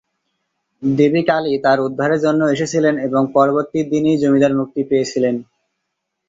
দেবী কালি তার উদ্ধারের জন্য এসেছিলেন এবং পরবর্তী দিনই জমিদার মুক্তি পেয়েছিলেন।